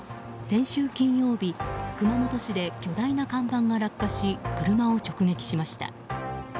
先週金曜日、熊本市で巨大な看板が落下し車を直撃しました。